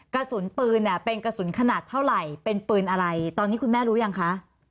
กระสุนปืนเนี่ยเป็นกระสุนขนาดเท่าไหร่เป็นปืนอะไรตอนนี้คุณแม่รู้ยังคะ